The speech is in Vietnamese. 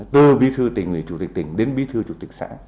từ bí thư tỉnh ủy chủ tịch tỉnh đến bí thư chủ tịch xã